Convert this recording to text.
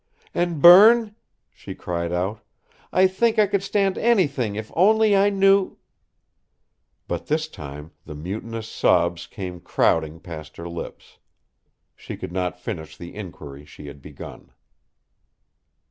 "And Berne?" she cried out. "I think I could stand anything if only I knew " But this time the mutinous sobs came crowding past her lips. She could not finish the inquiry she had begun.